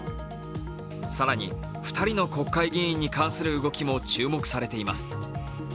更に２人の国会議員に関する動きも注目されています。